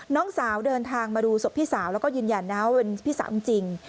น้องสาวเดินทางมาดูศพพี่สาวแล้วก็ยืนยันนะว่าเป็นพี่สาวจริง